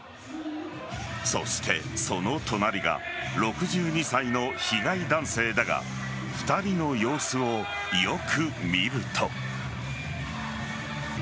そして、その隣が６２歳の被害男性だが２人の様子をよく見ると。